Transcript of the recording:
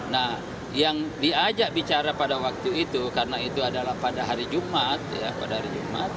nah yang diajak bicara pada waktu itu karena itu adalah pada hari jumat ya pada hari jumat